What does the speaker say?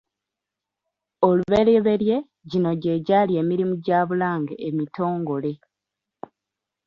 Oluberyeberye gino gye gyali emirimu gya Bulange emitongole.